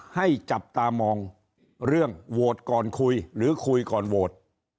ให้จับตามองเรื่องโหวตก่อนคุยหรือคุยก่อนโหวต